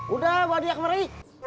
udah bawa dia kemari